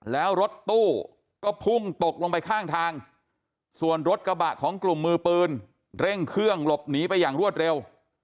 แล้วรถตู้ก็พุ่งตกลงไปข้างทางส่วนรถกระบะของกลุ่มมือปืนเร่งเครื่องหลบหนีไปอย่างรวดเร็ว